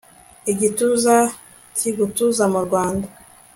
igituza cyigutuza mu rwanda